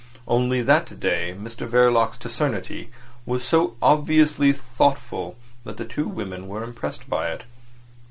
Only that day Mr Verloc's taciturnity was so obviously thoughtful that the two women were impressed by it.